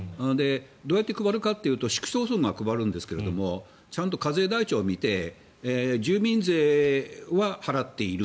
どうやって配るかというと市区町村が配るんですが課税台帳を見て住民税は払っている